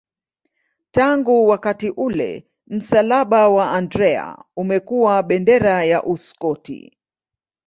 Tangu wakati ule msalaba wa Andrea umekuwa bendera ya Uskoti.